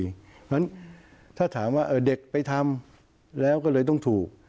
เพราะฉะนั้นถ้าถามว่าเด็กไปทำแล้วก็เลยต้องถูก